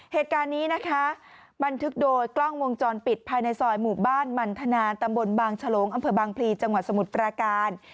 เหตุการณ์นี้นะคะบันทึกโดยกล้องวงจรปิดภายในซอยหมู่บ้านมันธนาตำบลบางฉลงอำเภอบางพลีจังหวัดสมุทรปราการ